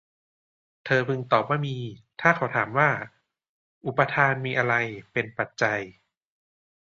เธอพึงตอบว่า มี ถ้าเขาถามว่า อุปาทานมีอะไรเป็นปัจจัย